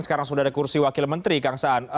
sekarang sudah ada kursi wakil menteri kang saan